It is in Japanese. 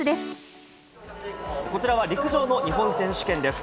こちらは陸上の日本選手権です。